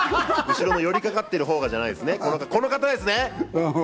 後ろの寄りかかってるほうじゃないですよ。